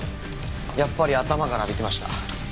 やっぱり頭から浴びてました。